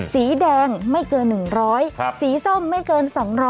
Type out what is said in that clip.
สีแดงไม่เกิน๑๐๐สีส้มไม่เกิน๒๐๐